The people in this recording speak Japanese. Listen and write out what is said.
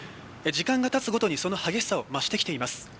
時間がたつごとに激しさを増してきています。